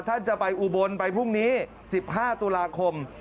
ท่านจะไปอุบลไปพรุ่งนี้๑๕ตุลาคม